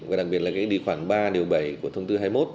và đặc biệt là cái đi khoảng ba điều bảy của thông tư hai mươi một